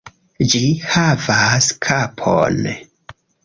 Ĝi havas kapon!